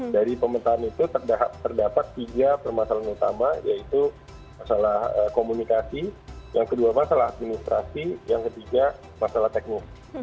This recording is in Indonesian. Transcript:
dari pemetaan itu terdapat tiga permasalahan utama yaitu masalah komunikasi yang kedua masalah administrasi yang ketiga masalah teknis